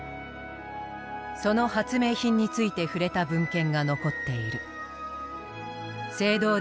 その発明品について触れた文献が残っている。